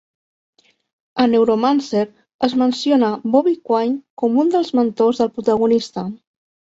A "Neuromancer" es menciona Bobby Quine com un dels mentors del protagonista.